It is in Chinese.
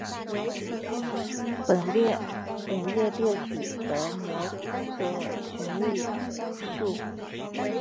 本页列举了镆的同位素。